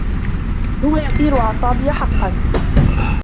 هو يثيرا أعصابي حقّا.